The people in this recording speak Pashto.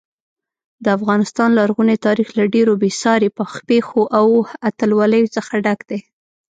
د افغانستان لرغونی تاریخ له ډېرو بې ساري پیښو او اتلولیو څخه ډک دی.